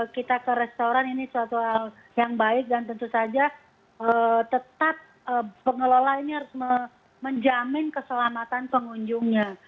kita ke restoran ini suatu hal yang baik dan tentu saja tetap pengelola ini harus menjamin keselamatan pengunjungnya